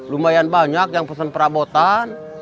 lumayan banyak yang pesen perabotan